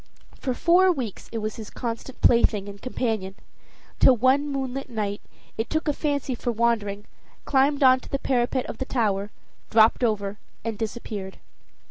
For four weeks it was his constant plaything and companion, till one moonlight night it took a fancy for wandering, climbed on to the parapet of the tower, dropped over and disappeared.